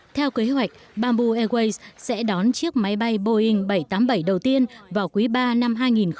theo kế hoạch bamboo airways sẽ đón chiếc máy bay boeing bảy trăm tám mươi bảy đầu tiên vào quý ba năm hai nghìn hai mươi